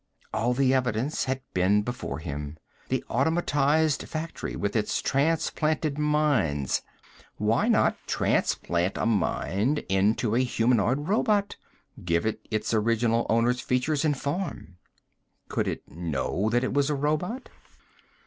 All the evidence had been before him. The automatized factory, with its transplanted minds why not transplant a mind into a humanoid robot, give it its original owner's features and form? Could it know that it was a robot?